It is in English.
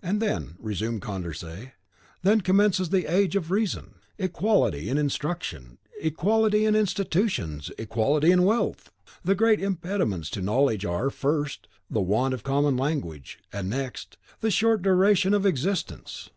"And then," resumed Condorcet, "then commences the Age of Reason! equality in instruction, equality in institutions, equality in wealth! The great impediments to knowledge are, first, the want of a common language; and next, the short duration of existence.